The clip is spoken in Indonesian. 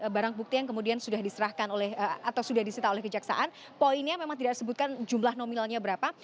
barang bukti yang kemudian sudah diserahkan oleh atau sudah disita oleh kejaksaan poinnya memang tidak disebutkan jumlah nominalnya berapa